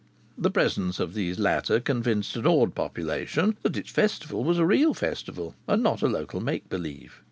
The presence of these latter convinced an awed population that its Festival was a real Festival, and not a local make believe.